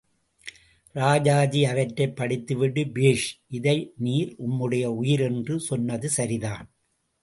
ராஜாஜி அவற்றைப் படித்துவிட்டு பேஷ் இதை நீர் உம்முடைய உயிர் என்று சொன்னது சரிதான்!